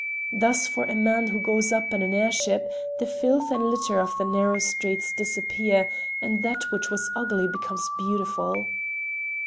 Thus, for a man who goes up in an airship, the filth and litter of the narrow streets disappear and that which was ugly becomes beautiful.